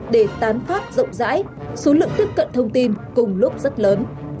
để tán phát rộng rãi số lượng tiếp cận thông tin cùng lúc rất lớn